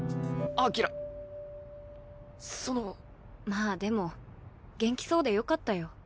まあでも元気そうでよかったよ。